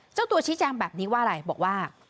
เจ้าตัวชี้แจงแบบนี้ว่าอะไรบอกว่า